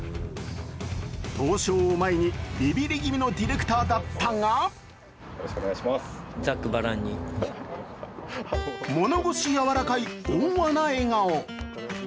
闘将を前にビビリ気味のディレクターだったが物腰やわらかい温和な笑顔。